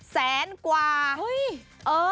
แสนกว่าเออ